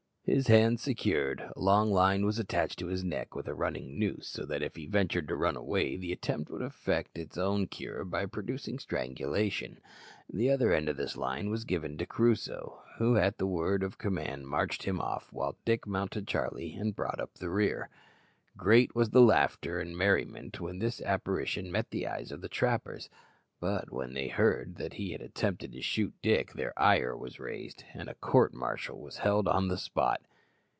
His hands secured, a long line was attached to his neck with a running noose, so that if he ventured to run away the attempt would effect its own cure by producing strangulation. The other end of this line was given to Crusoe, who at the word of command marched him off, while Dick mounted Charlie and brought up the rear. Great was the laughter and merriment when this apparition met the eyes of the trappers; but when they heard that he had attempted to shoot Dick their ire was raised, and a court martial was held on the spot.